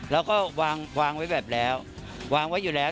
แล้วก็วางวางไว้แบบแล้ววางไว้อยู่แล้ว